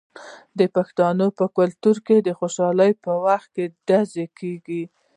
د پښتنو په کلتور کې د خوشحالۍ په وخت ډزې کیږي.